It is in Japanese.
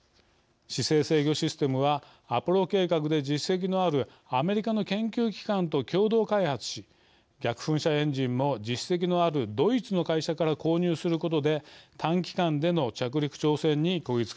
姿勢制御システムはアポロ計画で実績のあるアメリカの研究機関と共同開発し逆噴射エンジンも実績のあるドイツの会社から購入することで短期間での着陸挑戦にこぎつけました。